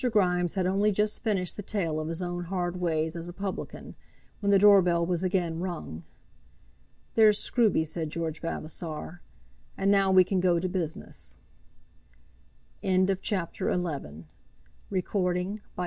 Grimes had only just finished the tale of his own hard ways as a publican, when the door bell was again rung. "There's Scruby," said George Vavasor, "and now we can go to business." CHAPTER XIII. Mr. Grimes Gets His Odd Money.